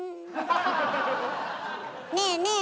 ねえねえ